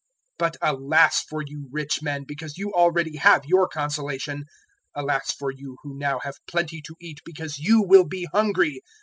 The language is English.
006:024 "But alas for you rich men, because you already have your consolation! 006:025 "Alas for you who now have plenty to eat, because you will be hungry!